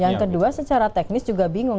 yang kedua secara teknis juga bingung